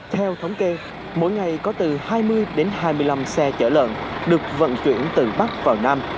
theo thống kê mỗi ngày có từ hai mươi đến hai mươi năm xe chở lợn được vận chuyển từ bắc vào nam